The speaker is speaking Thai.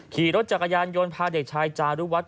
ขี่รถจักรยานยนต์พาเด็กชายจารุวัฒ